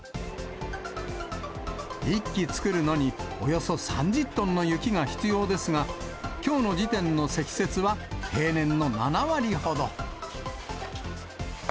１基作るのにおよそ３０トンの雪が必要ですが、きょうの時点の積雪は、平年の７割ほど。